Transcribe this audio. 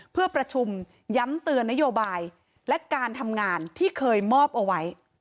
เพื่อประชุมย้ำเตือนนโยบายและการทำงานที่เคยมอบเอาไว้